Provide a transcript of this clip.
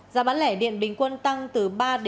giá bán lẻ điện bình quân tăng từ ba năm